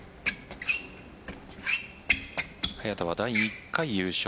早田は第１回優勝